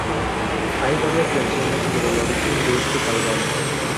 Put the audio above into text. Hay varias versiones sobre el origen de este calvario.